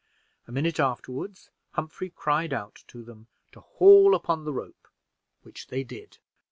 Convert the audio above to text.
A minute afterward Humphrey cried out to them to haul upon the rope, which they did.